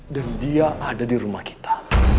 dia ada di rumah kita